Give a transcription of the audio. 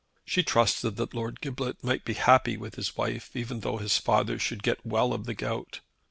She trusted that Lord Giblet might be happy with his wife, even though his father should get well of the gout.